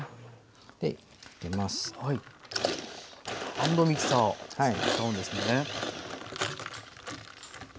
ハンドミキサー使うんですね。